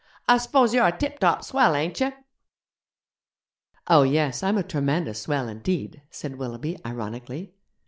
'I s'pose you're a tip top swell, ain't you?' 'Oh, yes! I'm a tremendous swell indeed!' said Willoughby, ironically.